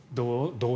どう？